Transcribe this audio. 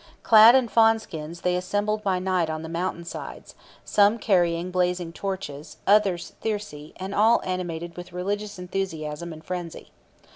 Clad in fawn skins, they assembled by night on the mountain sides, some carrying blazing torches, others thyrsi, and all animated with religious enthusiasm and frenzy.